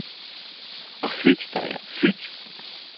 А сыць тая, сыць!